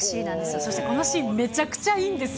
そしてこのシーンめちゃくちゃいいんです。